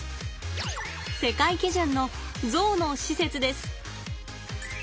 世界基準のゾウの施設です。